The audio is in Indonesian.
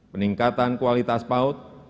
peningkatan kualitas paut